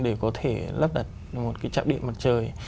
để có thể lắp đặt một cái chạm điện mặt trời